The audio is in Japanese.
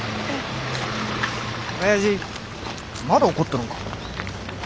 親父まだ怒っとるんか？